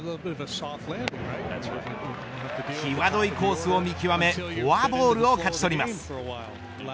際どいコースを見極めフォアボールを勝ち取ります。